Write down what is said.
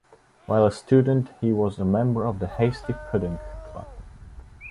While a student, he was a member of the Hasty Pudding Club.